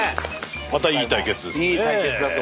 またいい対決ですね。